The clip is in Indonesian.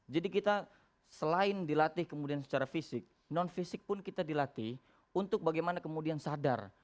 jadi kita selain dilatih kemudian secara fisik non fisik pun kita dilatih untuk bagaimana kemudian sadar